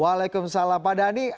waalaikumsalam pak adani